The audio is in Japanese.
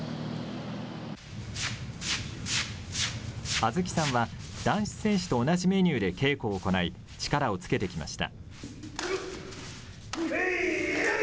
亜豆紀さんは男子選手と同じメニューで稽古を行い、力をつけてきました。